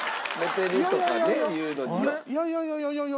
いやいやいやいやいやいや。